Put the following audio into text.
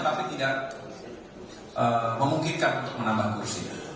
tapi tidak memungkinkan untuk menambah kursi